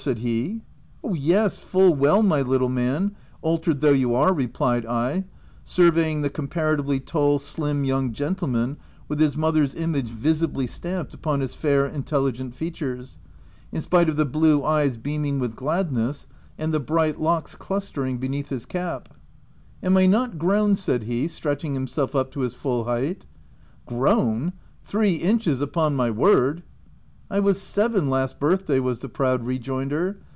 said he. " Yes, full well, my little man, altered though you are," replied I, surveying the comparatively tall, slim young gentleman with his mother's image visibly stamped upon his fair, intelligent features, in spite of the blue eyes beaming with OP WILDFELL HALL. 315 gladness, and the bright locks clustering be neath his cap, "Am I not grown }'* said he, stretching him self up to his full height. " Grown ! three inches upon my word? 5 '" I was seven last birthday," was the proud rejoinder.